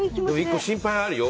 １個心配はあるよ。